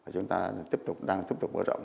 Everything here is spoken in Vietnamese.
chúng ta đang tiếp tục bước rộng